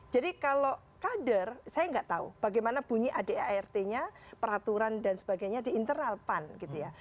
jadi kalau kader saya nggak tahu bagaimana bunyi adart nya peraturan dan sebagainya di internal pan gitu ya